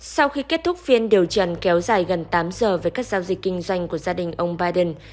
sau khi kết thúc phiên điều trần kéo dài gần tám giờ với các giao dịch kinh doanh của gia đình ông biden